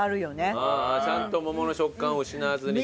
ちゃんと桃の食感を失わずに作ってる。